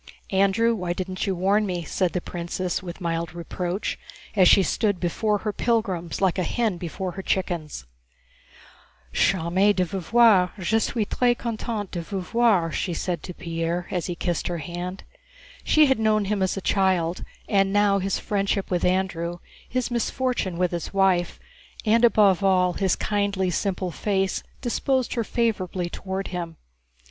"Andrew, why didn't you warn me?" said the princess, with mild reproach, as she stood before her pilgrims like a hen before her chickens. "Charmée de vous voir. Je suis très contente de vous voir," * she said to Pierre as he kissed her hand. She had known him as a child, and now his friendship with Andrew, his misfortune with his wife, and above all his kindly, simple face disposed her favorably toward him.